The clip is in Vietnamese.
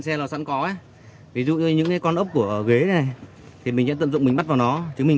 xe nó sẵn có ví dụ như những cái con ốc của ghế này thì mình sẽ tận dụng mình bắt vào nó chứ mình